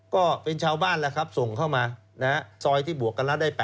ก็เป็นชาวบ้านแล้วครับส่งเข้ามาซอยที่บวกกันแล้วได้๘